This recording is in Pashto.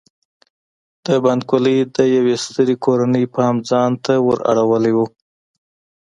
د بانک والۍ د یوې سترې کورنۍ پام ځان ته ور اړولی و.